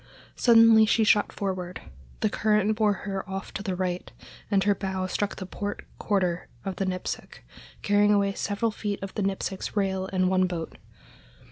Suddenly she shot forward, the current bore her off to the right, and her bow struck the port quarter of the Nipsic, carrying away several feet of the Nipsic's rail and one boat.